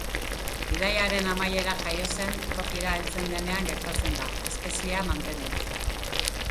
Bidaiaren amaiera jaio zen tokira heltzen denean gertatzen da, espeziea mantenduz.